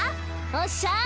おっしゃあ！